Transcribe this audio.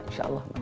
insya allah mak